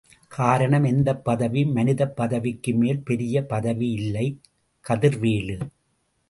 காரணம் எந்த பதவியும், மனிதப் பதவிக்கு மேல் பெரிய பதவி இல்ல. கதிர்வேலு.